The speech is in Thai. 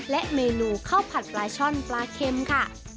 และเมนูข้าวผัดปลาช่อนปลาเค็มค่ะ